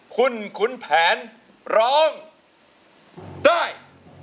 คุณขุนแผนร้องได้